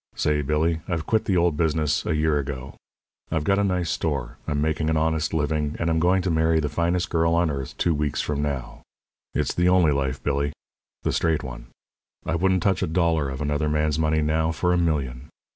Say, Billy, I've quit the old business a year ago. I've got a nice store. I'm making an honest living, and I'm going to marry the finest girl on earth two weeks from now. It's the only life, Billy the straight one. I wouldn't touch a dollar of another man's money now for a million.